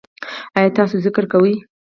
ایا تاسو ذکر کوئ؟